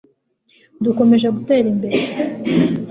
dukomeje gutera imbere